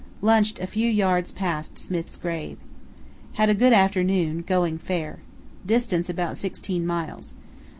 Lunched a few yards past Smith's grave. Had a good afternoon, going fair. Distance about sixteen miles.